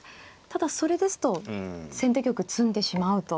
ただそれですと先手玉詰んでしまうと。